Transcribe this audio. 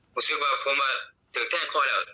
หมูสิกว่าผมถึงแท่งข้อแล้ว